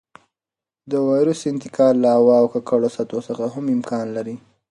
د وېروس انتقال له هوا او ککړو سطحو څخه هم امکان لري.